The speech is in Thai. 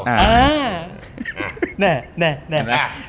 อ่าแน่แน่แน่